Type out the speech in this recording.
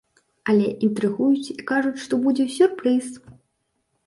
Але інтрыгуюць і кажуць, што будзе сюрпрыз!